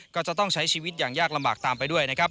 ก็จะต้องใช้ชีวิตอย่างยากลำบากตามไปด้วยนะครับ